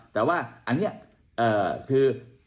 แต่ว่าอันนี้คือ